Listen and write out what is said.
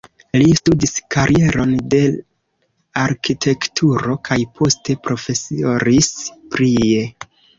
Li studis karieron de arkitekturo kaj poste profesoris prie.